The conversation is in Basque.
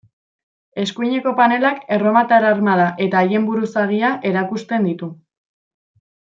Eskuineko panelak erromatar armada eta haien buruzagia erakusten ditu.